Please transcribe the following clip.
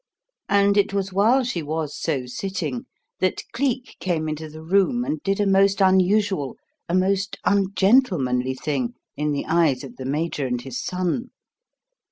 And it was while she was so sitting that Cleek came into the room and did a most unusual, a most ungentlemanly thing, in the eyes of the Major and his son.